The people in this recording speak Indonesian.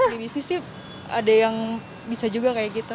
di bisnis sih ada yang bisa juga kayak gitu